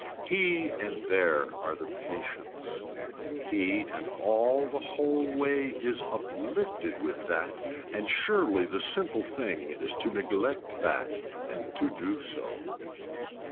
He and there are the patience, he and all the whole way is uplifted with that and surely the simple thing is to neglect that and to do so.